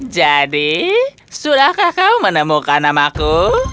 jadi sudahkah kau menemukan namaku